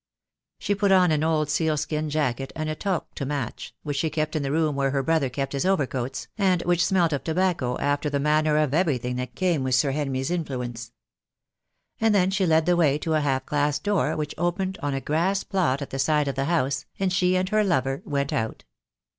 She put on an old seal skin jacket and a toque to match, which she kept in the room where her brother kept his overcoats, and which smelt of tobacco, after the manner of everything that came within Sir Henry's in fluence. And then she led the way to a half glass door, which opened on a grass plot at the side of the house, and she and her lover went out.